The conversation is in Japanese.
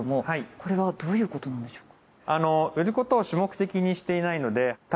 これはどういうことなんでしょうか？